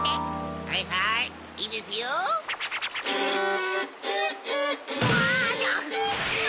はいはいいいですよ。うわ！